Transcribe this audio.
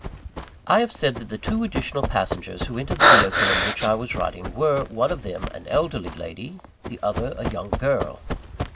I have said that the two additional passengers who entered the vehicle in which I was riding, were, one of them, an elderly lady; the other, a young girl.